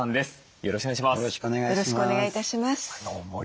よろしくお願いします。